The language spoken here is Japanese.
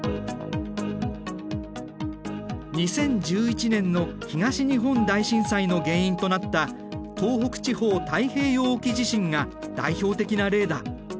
２０１１年の東日本大震災の原因となった東北地方太平洋沖地震が代表的な例だ。